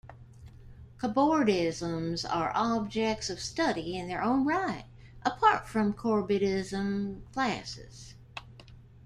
Cobordisms are objects of study in their own right, apart from cobordism classes.